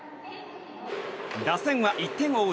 打線は、１点を追う